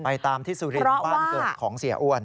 ตามที่สุรินทร์บ้านเกิดของเสียอ้วน